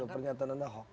pernyataan anda hoax